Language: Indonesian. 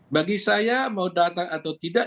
bagi saya mau datang atau tidak